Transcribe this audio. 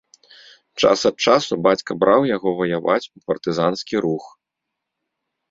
Час ад часу бацька браў яго ваяваць у партызанскі рух.